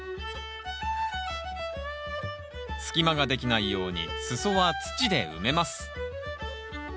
隙間ができないように裾は土で埋めます。